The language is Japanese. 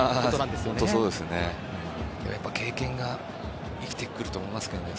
でも、やっぱり経験が生きてくると思いますけどね